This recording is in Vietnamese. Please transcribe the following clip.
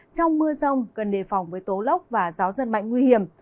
trong mưa rông cần đề phòng với tố lốc và gió giật mạnh nguy hiểm